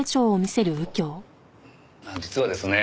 実はですね